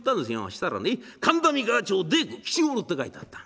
したらね神田三河町大工吉五郎って書いてあった。